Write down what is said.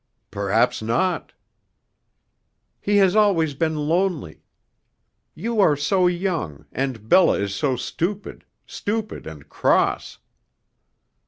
"Perhaps not." "He has always been lonely. You are so young, and Bella is so stupid stupid and cross."